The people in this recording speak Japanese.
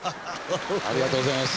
ありがとうございます。